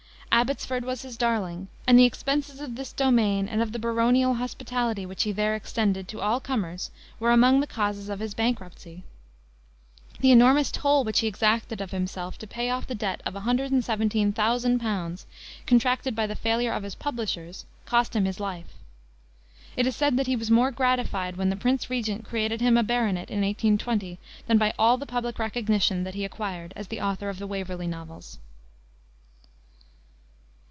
Abbotsford was his darling, and the expenses of this domain and of the baronial hospitality which he there extended to all comers were among the causes of his bankruptcy. The enormous toil which he exacted of himself, to pay off the debt of 117,000 pounds, contracted by the failure of his publishers, cost him his life. It is said that he was more gratified when the Prince Regent created him a baronet, in 1820, than by all the public recognition that he acquired as the author of the Waverley Novels.